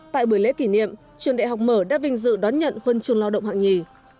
tại buổi lễ kỷ niệm trường đại học mở đã vinh dự đón nhận huân trường lao động hạng nhì